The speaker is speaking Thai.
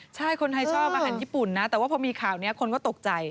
ใช่คนไทยชอบอาหารญี่ปุ่นนะแต่ว่าพอมีข่าวนี้คนก็ตกใจ